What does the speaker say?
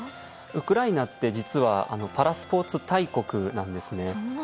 ウクライナって実はパラスポーツ大国なんですね。